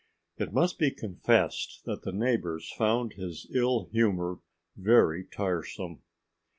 It must be confessed that the neighbors found his ill humor very tiresome.